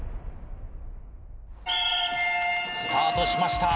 スタートしました。